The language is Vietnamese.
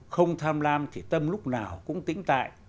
không tham lam thì tâm lúc nào cũng tính tại